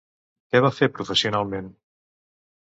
Què va fer professionalment?